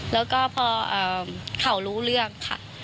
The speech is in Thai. แล้วก็พอเขารู้เรื่องค่ะ